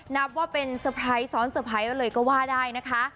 นับว่าเป็นเซอร์ไพรส์ซ้อนเตอร์ไพรส์เลยก็ว่าได้นะคะ